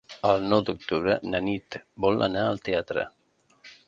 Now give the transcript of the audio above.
El nou d'octubre na Nit vol anar al teatre.